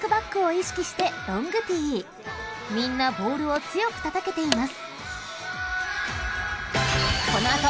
［みんなボールを強くたたけています］